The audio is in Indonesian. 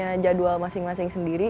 jadi kita punya jadwal masing masing sendiri